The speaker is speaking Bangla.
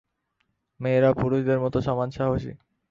মেয়েরাও পুরুষদের মত সমান সাহসী।